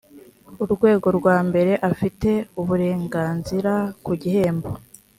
urwego rwa mbere afite uburenganzira ku gihembo